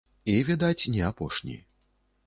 І, відаць, не апошні.